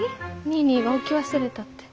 ニーニーが置き忘れたって。